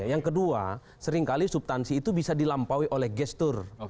yang kedua seringkali subtansi itu bisa dilampaui oleh gestur